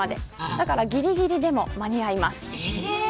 だからぎりぎりでも間に合います。